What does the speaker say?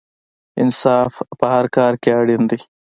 انصاف په هر کار کې اړین دی.